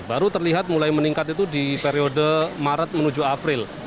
baru terlihat mulai meningkat itu di periode maret menuju april